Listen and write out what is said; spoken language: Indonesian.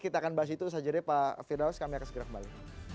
kita akan bahas itu saja deh pak firdaus kami akan segera kembali